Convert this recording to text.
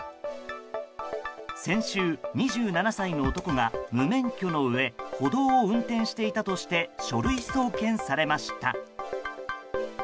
先週、２７歳の男が無免許のうえ歩道を運転していたとして書類送検されました。